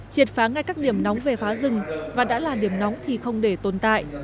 triệt phá ngay các điểm nóng về phá rừng và đã là điểm nóng thì không để tồn tại